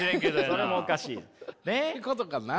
それもおかしい。ってことかな？